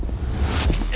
え！